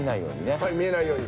はい見えないように。